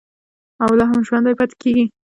او لا هم ژوندی پاتې کیږي.